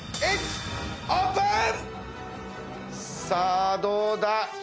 さあどうだ？